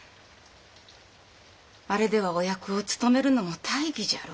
あれではお役を務めるのも大儀じゃろう。